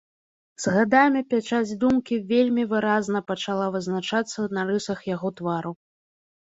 З гадамі пячаць думкі вельмі выразна пачала вызначацца на рысах яго твару.